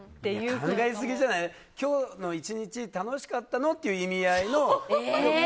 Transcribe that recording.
考えすぎじゃない？今日一日楽しかったのって意味合いの。